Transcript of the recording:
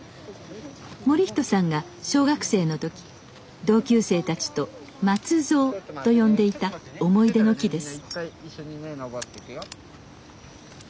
盛人さんが小学生の時同級生たちと「まつぞう」と呼んでいた思い出の木です。